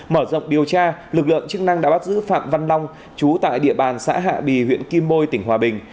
mở rộng điều tra lực lượng chức năng đã bắt giữ phạm văn long chú tại địa bàn xã hạ bì huyện kim bôi tỉnh hòa bình